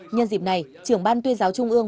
nhân dịp này trưởng ban tuyên giáo trung ương